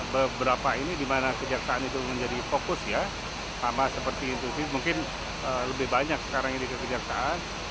beberapa ini di mana kejaksaan itu menjadi fokus ya sama seperti itu mungkin lebih banyak sekarang ini ke kejaksaan